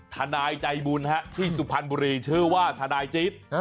ทนายใจบุญที่สุพรรณบุรีชื่อว่าทนายจิต